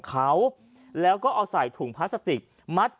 ชาวบ้านญาติโปรดแค้นไปดูภาพบรรยากาศขณะ